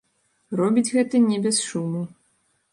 Робіць гэта не без шуму.